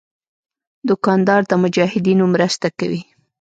دوکاندار د مجاهدینو مرسته کوي.